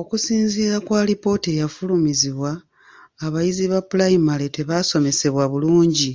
"Okusinziira ku alipoota eyafulumizibwa, abayizi ba ppulayimale tebasomesebwa bulungi."